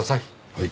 はい。